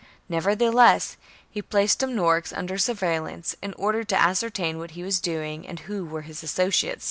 Nevertheless he placed Dumnorix under surveil lance, in order to ascertain what he was doing and who were his associates.